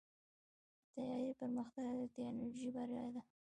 د طیارې پرمختګ د ټیکنالوژۍ بریا ده.